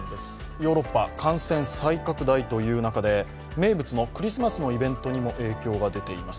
ヨーロッパ感染再拡大という中で名物のクリスマスのイベントにも影響が出ています。